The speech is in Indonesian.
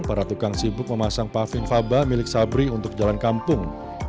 para tukang sibuk memasang paving faba milik sabri untuk jalan kampung